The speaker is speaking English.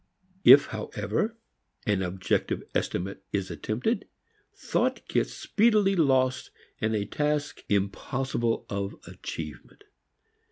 If however an objective estimate is attempted, thought gets speedily lost in a task impossible of achievement.